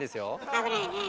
危ないねえ。